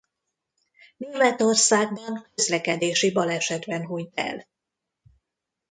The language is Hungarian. Németországban közlekedési balesetben hunyt el.